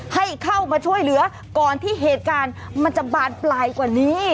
ให้เข้ามาช่วยเหลือก่อนที่เหตุการณ์มันจะบานปลายกว่านี้